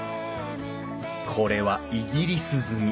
これはイギリス積み。